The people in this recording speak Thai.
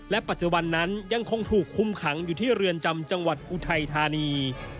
ปัจจุบันนั้นยังคงถูกคุมขังอยู่ที่เรือนจำจังหวัดอุทัยธานี